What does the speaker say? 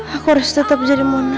aku harus tetap jadi munar